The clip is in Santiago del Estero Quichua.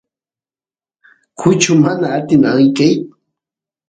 kuchu mana atin ayqeyt